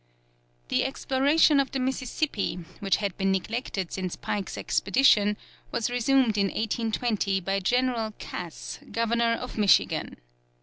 The exploration of the Mississippi, which had been neglected since Pike's expedition, was resumed in 1820 by General Cass, Governor of Michigan.